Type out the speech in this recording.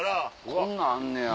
こんなんあんねや。